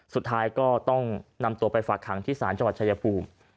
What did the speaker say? สุดท้ายก็ต้องนำตัวไปฝากขังที่ศาลจังหวัดชายภูมิ